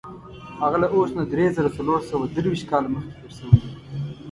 هغه له اوس نه دری زره څلور سوه درویشت کاله مخکې تېر شوی دی.